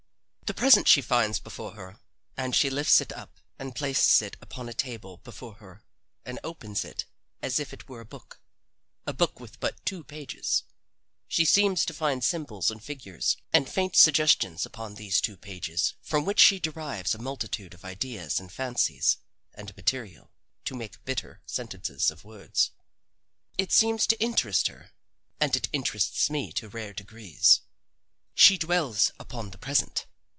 The present she finds before her, and she lifts it up and places it upon a table before her and opens it as if it were a book a book with but two pages. She seems to find symbols and figures and faint suggestions upon these two pages from which she derives a multitude of ideas and fancies and material to make bitter sentences of words. It seems to interest her, and it interests me to rare degrees. She dwells upon the present.